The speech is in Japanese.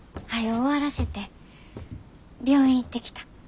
終わらせて病院行ってきた。